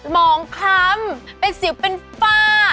หมองคล้ำเป็นสิวเป็นฝ้า